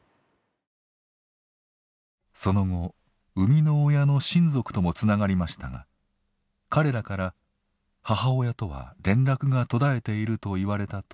その後生みの親の親族ともつながりましたが彼らから「母親とは連絡が途絶えている」と言われたといいます。